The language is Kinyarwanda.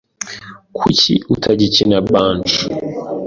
Kuki utagikina banjo?